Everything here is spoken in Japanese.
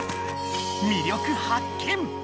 魅力発見！